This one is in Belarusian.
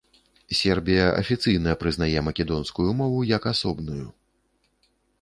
Сербія афіцыйна прызнае македонскую мову як асобную.